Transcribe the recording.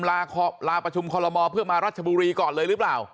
ลาประชุมคอลโมเพื่อมารัชบุรีก่อนเลยหรือเปล่า